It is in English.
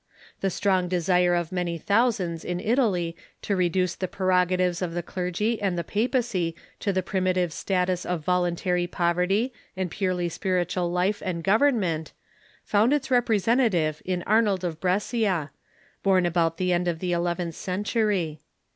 The strong desire of many thousands in Italy to reduce the prerogatives of the clerg}^ and the paj^acy to the primitive status of voluntary poverty and purely spiritual life and government, found its representative in Arnold of Brescia, born about the end of the eleventh cen tury.